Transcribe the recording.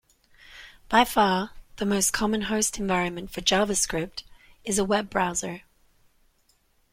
By far the most common host environment for JavaScript is a web browser.